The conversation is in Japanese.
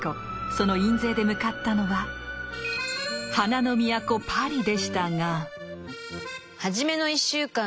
その印税で向かったのは「花の都パリ」でしたが。